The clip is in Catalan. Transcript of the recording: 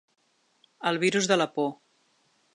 El virus de la por.